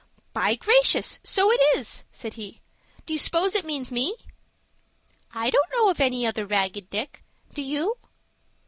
"By gracious, so it is," said he. "Do you s'pose it means me?" "I don't know of any other Ragged Dick,—do you?"